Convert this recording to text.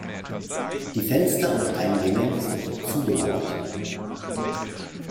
Die Fenster und Eingänge sind zugemauert.